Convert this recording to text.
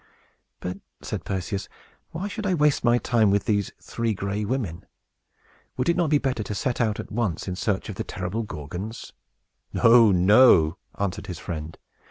"But," said Perseus, "why should I waste my time with these Three Gray Women? Would it not be better to set out at once in search of the terrible Gorgons?" "No, no," answered his friend.